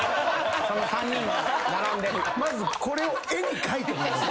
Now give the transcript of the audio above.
まずこれを絵に描いてもらう。